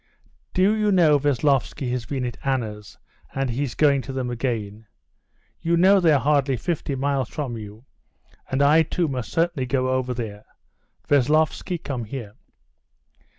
"Do you know Veslovsky has been at Anna's, and he's going to them again? You know they're hardly fifty miles from you, and I too must certainly go over there. Veslovsky, come here!"